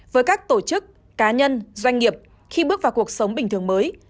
với các tổ chức cá nhân doanh nghiệp khi bước vào cuộc sống bình thường mới